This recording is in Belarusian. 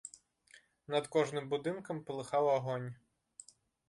Над кожным будынкам палыхаў агонь.